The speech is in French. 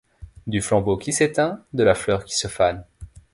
Du flambeau qui s’éteint, de la fleur qui se fane